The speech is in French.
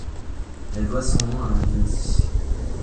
Elle doit son nom à un lieu-dit.